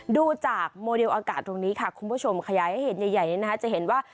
ดูจากโมเดลอากาศตรงนี้ค่ะคุณผู้ชมขยายให้เห็นใหญ่จะเห็นว่า